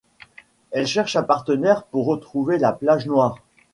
Elle cherche un partenaire pour retrouver la Plage Noire.